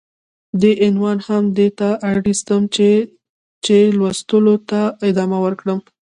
دې عنوان هم دې ته اړيستم چې ،چې لوستلو ته ادامه ورکړم.